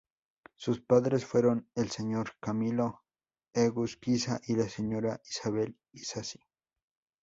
Sus padres fueron el señor Camilo Egusquiza y la señora Isabel Isasi.